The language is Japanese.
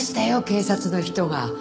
警察の人が。